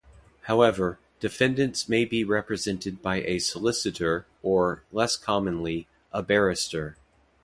However, defendants may be represented by a solicitor or, less commonly, a barrister.